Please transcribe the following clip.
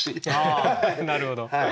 なるほど。